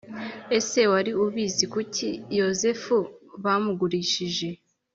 Ese wari ubizi Kuki Yozefu bamugurishije‽